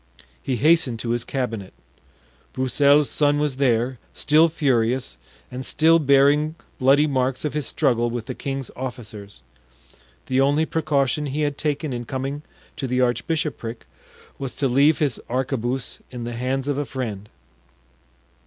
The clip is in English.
He hastened to his cabinet. Broussel's son was there, still furious, and still bearing bloody marks of his struggle with the king's officers. The only precaution he had taken in coming to the archbishopric was to leave his arquebuse in the hands of a friend.